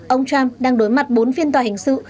ông trump đang đối mặt bốn phiên tòa hình sự